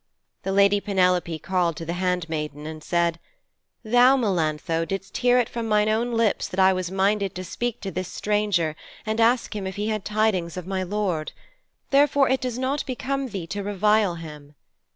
The lady Penelope called to the handmaiden and said, 'Thou, Melantho, didst hear it from mine own lips that I was minded to speak to this stranger and ask him if he had tidings of my lord. Therefore, it does not become thee to revile him.'